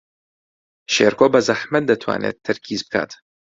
شێرکۆ بەزەحمەت دەتوانێت تەرکیز بکات.